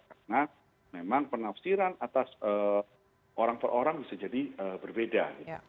karena memang penafsiran atas orang per orang bisa jadi berbeda